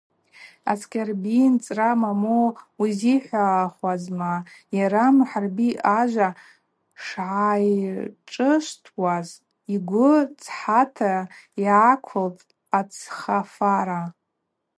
Аскьарби анцӏра момо узихӏвахуазма, йара Мухӏарби ажва шгӏайшӏышвтуаз йгвы цхата йгӏаквылтӏ ацхафара.